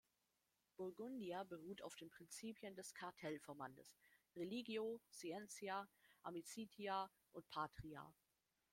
Burgundia beruht auf den Prinzipien des Cartellverbandes: religio, scientia, amicitia und patria.